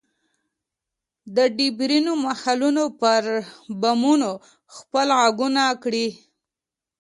د ډبرینو محلونو پر بامونو خپل ږغونه کري